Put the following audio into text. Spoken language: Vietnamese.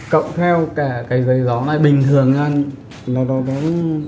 cộng theo cái giấy gió này bình thường nó bọc kiểu làm thuốc được